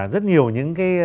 rất nhiều những cái